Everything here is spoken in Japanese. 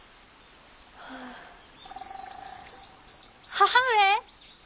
母上！